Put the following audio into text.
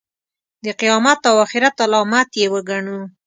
د قیامت او آخرت علامت یې وګڼو.